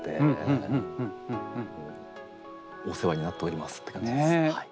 お世話になっておりますって感じですね。